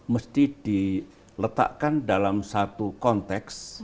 mesti diletakkan dalam satu konteks